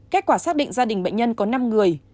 kết quả xác định gia đình bệnh nhân có năm người